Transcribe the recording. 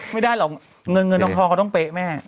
ไม่ได้หรอกเงินเงินทองเขาต้องเป๊ะแม่